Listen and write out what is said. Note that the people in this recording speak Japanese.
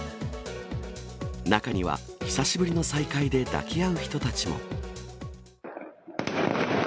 中には久しぶりの再会で抱き合う人たちも。